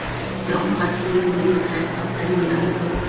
Der operative Gewinn beträgt fast eine Milliarde Dollar.